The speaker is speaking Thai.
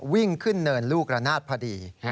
วิ่งขึ้นเนินลูกระนาดพอดี